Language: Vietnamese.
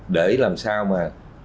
để làm sao mà